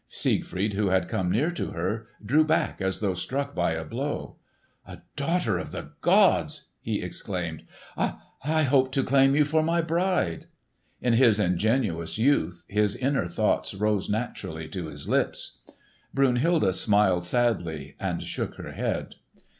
Siegfried, who had come near to her, drew back as though struck by a blow. "A daughter of the gods!" he exclaimed. "I—I hoped to claim you for my bride!" In his ingenuous youth, his inner thoughts rose naturally to his lips. Brunhilde smiled sadly and shook her head.